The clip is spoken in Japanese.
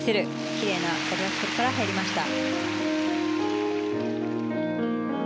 きれいなダブルアクセルから入りました。